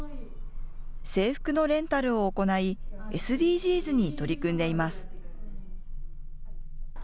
制服のレンタルを行いＳＤＧｓに取り組んでいます。